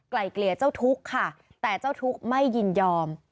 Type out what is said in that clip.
เกลี่ยเจ้าทุกข์ค่ะแต่เจ้าทุกข์ไม่ยินยอม